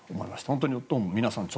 本当に皆さん